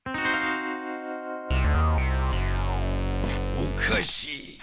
おかしい。